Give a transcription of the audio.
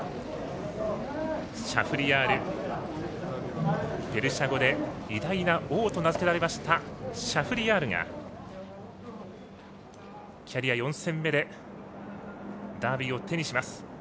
シャフリヤール、ペルシャ語で「偉大な王」と名付けられましたシャフリヤールがキャリア４戦目でダービーを手にします。